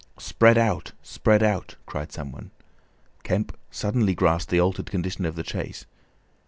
"Spread out! Spread out!" cried some one. Kemp suddenly grasped the altered condition of the chase.